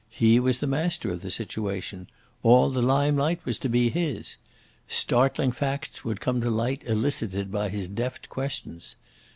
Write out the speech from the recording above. He was the master of the situation. All the limelight was to be his. Startling facts would come to light elicited by his deft questions.